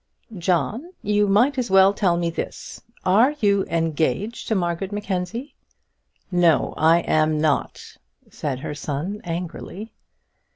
"John, you might as well tell me this; are you engaged to Margaret Mackenzie?" "No, I am not," said her son, angrily.